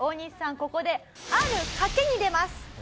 ここである賭けに出ます。